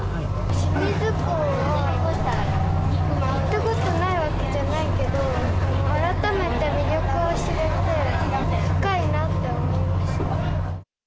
清水港は行ったことないわけじゃないけど、改めて魅力を知れて、深いなって思いました。